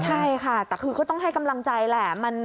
ใช่ค่ะแต่คือก็ต้องให้กำลังใจแหละ